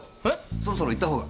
そろそろ行ったほうが。